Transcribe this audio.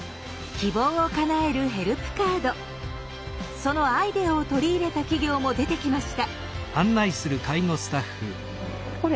そのアイデアを取り入れた企業も出てきました。